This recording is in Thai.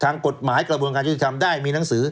ทั้งกฎหมายกระบวนการช่วยทำได้มีหนังสือ